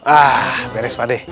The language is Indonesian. ah beres pak adi